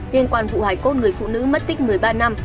liên quan vụ hải cốt người phụ nữ mất tích một mươi ba năm